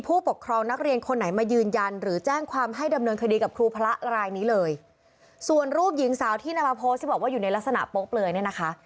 พี่หนักมาโพสท์ที่บอกว่าอยู่ในลักษณะโป๊ะเปลือยนะคะ